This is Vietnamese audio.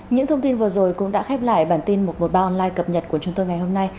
những thông tin vừa rồi cũng đã khép lại bản tin một trăm một mươi ba online cập nhật của chúng tôi ngày hôm nay